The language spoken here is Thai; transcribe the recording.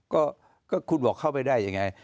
ก็คุณบอกเข้าไปได้ยังไง